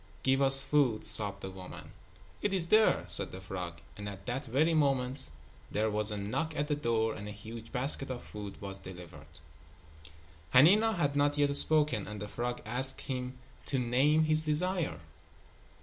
"Give us food," sobbed the woman. "It is there," said the frog, and at that very moment there was a knock at the door and a huge basket of food was delivered. Hanina had not yet spoken, and the frog asked him to name his desire.